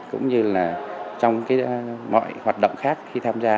cũng như là trong cái mọi hoạt động khác khi tham gia